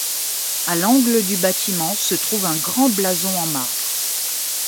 À l'angle du bâtiment se trouve un grand blason en marbre.